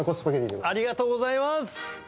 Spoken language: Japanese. ありがとうございます。